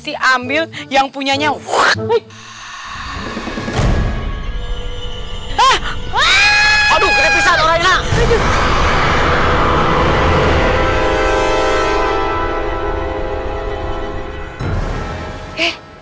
hari dua ini gak salah